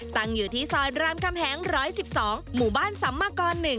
ตั้งอยู่ที่ซอยรามคำแหง๑๑๒หมู่บ้านสัมมากร๑